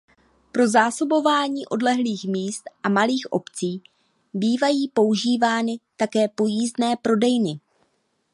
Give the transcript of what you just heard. Pro zásobování odlehlých míst a malých obcí bývají používány také pojízdné prodejny.